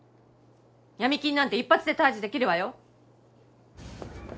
闇金なんて一発で退治できるわよ。